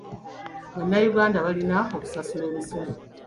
Bannayuganda balina okusasula emisolo.